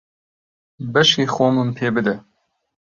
بەشی خۆمم پێ بدە.